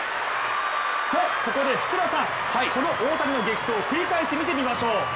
と、ここで福田さんこの大谷の激走繰り返して見てみましょう。